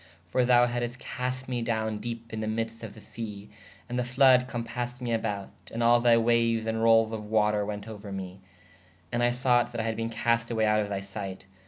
For thou hadest cast me downe depe in the middes of the se: & the floud cōpased me aboute: and all thy waues & rowles of water wēt ouer me: & I thought [that] I had bene cast awaye out of thy sight.